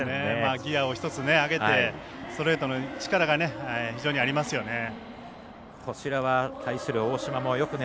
ギヤを１つ上げてストレートの力が非常にありますよね。